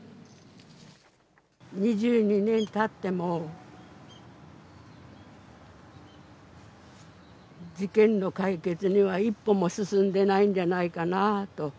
２２年たっても事件の解決には一歩も進んでないんじゃないかなと。